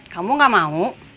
kamu gak mau